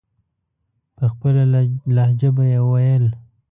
په خپله لهجه به یې ویل.